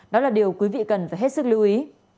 đó là điều quý vị cần phải hết sức lưu ý